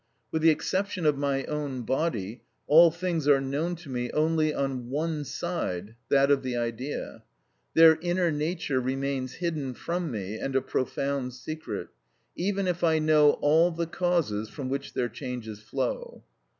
With the exception of my own body, all things are known to me only on one side, that of the idea. Their inner nature remains hidden from me and a profound secret, even if I know all the causes from which their changes follow.